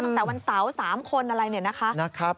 ตั้งแต่วันเสาร์๓คนอะไรเนี่ยนะคะ